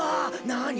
なに？